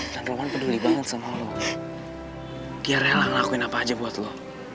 dan roman peduli banget sama lo dia rela ngelakuin apa aja buat lo